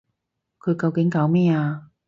佢究竟搞咩啊？